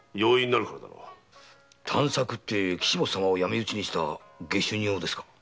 探索って岸本様を闇討ちにした下手人をですか？